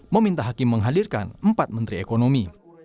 meminta hakim menghadirkan empat menteri ekonomi